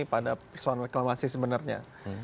pada persoalan reklamasi sebenarnya